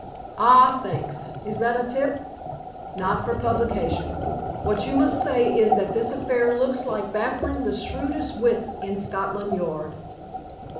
"Ah, thanks! Is that a tip?" "Not for publication. What you must say is that this affair looks like baffling the shrewdest wits in Scotland Yard."